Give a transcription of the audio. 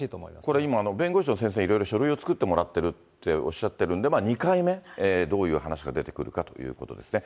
これ今、弁護士の先生にいろいろ書類を作ってもらってるっておっしゃってるんで、２回目、どういう話が出てくるのかということですね。